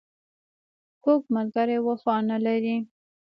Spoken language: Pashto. کوږ ملګری وفا نه لري